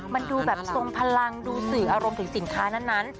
มันดูแบบทรงพลังดูสื่ออารมณ์ถึงสินค้านั้น